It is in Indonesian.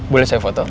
boleh saya foto